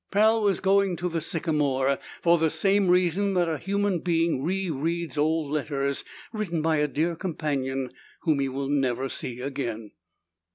Pal was going to the sycamore for the same reason that a human being rereads old letters written by a dear companion whom he will never see again.